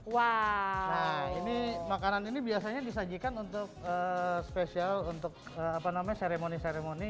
wah ini makanan ini biasanya disajikan untuk spesial untuk apa namanya seremoni seremoni